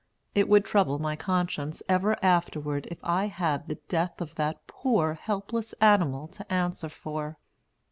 It would trouble my conscience ever afterward if I had the death of that poor helpless animal to answer for.